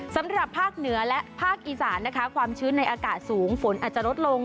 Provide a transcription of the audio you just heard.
สำหรับภาคเหนือและภาคอีสานนะคะความชื้นในอากาศสูงฝนอาจจะลดลง